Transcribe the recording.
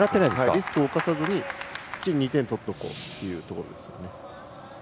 リスクを冒さずに２点を取っておこうという感じですね。